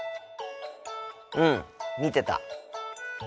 うん見てた。